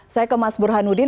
saya ke mas burhanuddin